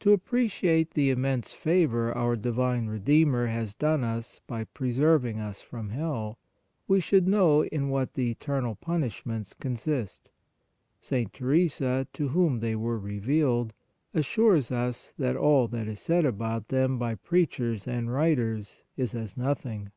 To appreciate the im mense favor our divine Redeemer has done us by preserving us from hell, we should know in what the eternal punishments consist. St. Teresa, to whom they were revealed, assures us that all that is said about them by preachers and writers is as EFFECTS OF THE PASSION 185 nothing.